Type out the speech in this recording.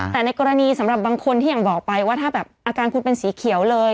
แต่ในกรณีสำหรับบางคนที่อย่างบอกไปว่าถ้าแบบอาการคุณเป็นสีเขียวเลย